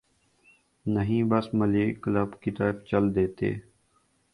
نہیں بس ملیر کلب کی طرف چل دیتے۔